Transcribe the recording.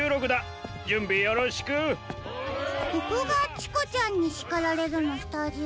ここが「チコちゃんに叱られる！」のスタジオ？